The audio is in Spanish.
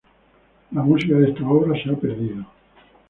La música de esta obra se ha perdido.